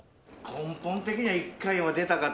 根本的には一回は出たかった。